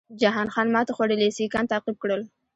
جهان خان ماته خوړلي سیکهان تعقیب کړل.